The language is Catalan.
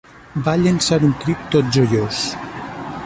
Va llençar un crit tot joiós